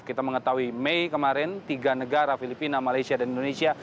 kita mengetahui mei kemarin tiga negara filipina malaysia dan indonesia